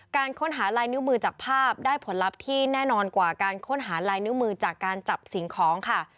การค้นหาลายนิ้วมือจากภาพได้ผลลัพธ์ที่แน่นอนกว่าการค้นหาลายนิ้วมือจากการจับสิ่งของค่ะ